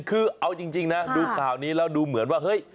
คือเอาจริงนะดูข่าวนี้แล้วดูเหมือนว่าเฮ้ย